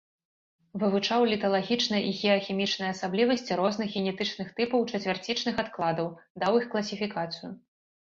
Вывучыў літалагічныя і геахімічныя асаблівасці розных генетычных тыпаў чацвярцічных адкладаў, даў іх класіфікацыю.